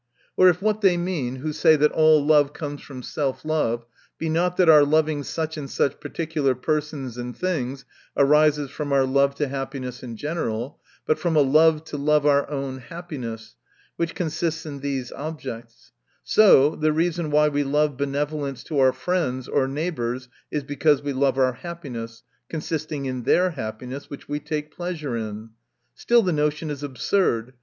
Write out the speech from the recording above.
Or if what they mean, who say that all love comes from self love, be not, that our loving such and such particular persons and things, arises from our love to happiness in general, but from a love to love our own happiness, which con sists in these objects; so the reason why we' love benevolence to our friends, or neighbors, is, because we love our happiness, consisting in their happiness, which we take pleasure in ;— still the notion is absurd.